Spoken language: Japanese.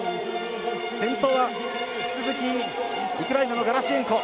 先頭は引き続きウクライナのガラシェンコ。